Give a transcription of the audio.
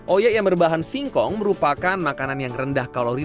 oyek yang berbahan singkong merupakan makanan yang rendah kalori